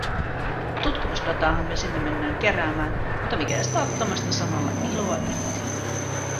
Tutkimusdataahan me sinne mennään keräämään, mutta mikä estää ottamasta samalla iloa irti?